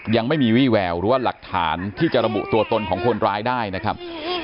ยังไม่มีวี่แววหรือว่าหลักฐานที่จะระบุตัวตนของคนร้ายได้นะครับ